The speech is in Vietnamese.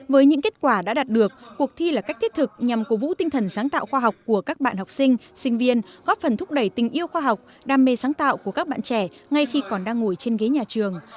với những kết quả đã đạt được cuộc thi là cách thiết thực nhằm cố vũ tinh thần sáng tạo khoa học của các bạn học sinh sinh viên góp phần thúc đẩy tình yêu khoa học đam mê sáng tạo của các bạn trẻ ngay khi còn đang ngồi trên ghế nhà trường